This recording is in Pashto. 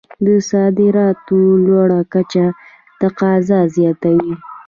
د صادراتو لوړه کچه تقاضا زیاتوي.